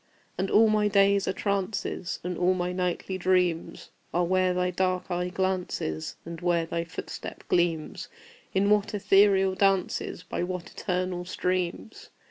And all my days are trances, And all my nightly dreams Are where thy dark eye glances, And where thy footstep gleams In what ethereal dances, By what eternal streams!